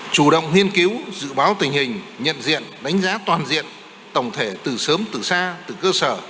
chủ động nghiên cứu dự báo tình hình nhận diện đánh giá toàn diện tổng thể từ sớm từ xa từ cơ sở